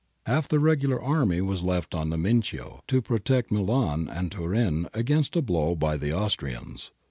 Half the regular army was left on the Mincio, to protect Milan and Turin against a blow by the Austrians.